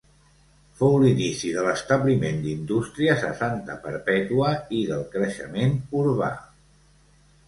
Fou l'inici de l'establiment d'indústries a Santa Perpètua i del creixement urbà.